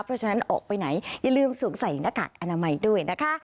เพราะฉะนั้นออกไปไหนอย่าลืมสวมใส่หน้ากากอนามัยด้วยนะคะ